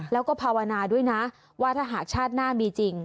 แล้วก็ภาวนาด้วยนะว่าถ้าหากชาติหน้ามีจริง